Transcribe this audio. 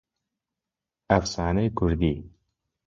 ئەفسانەی کوردی